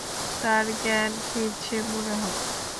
তার জ্ঞান ফিরছে মনে হয়।